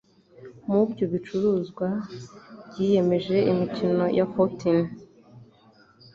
muri ibyo bicuruzwa byiyemeje imikino ya Fortune